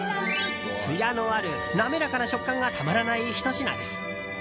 つやのある、滑らかな食感がたまらないひと品です。